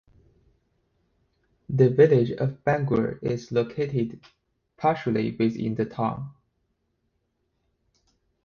The Village of Bangor is located partially within the town.